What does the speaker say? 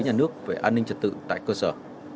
nhà nước về an ninh trật tự tại cơ sở